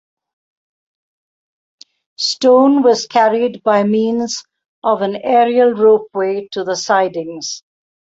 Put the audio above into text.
Stone was carried by means of an aerial ropeway to the sidings.